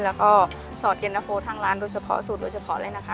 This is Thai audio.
แล้วก็สอดเย็นตะโฟทางร้านโดยเฉพาะสูตรโดยเฉพาะเลยนะคะ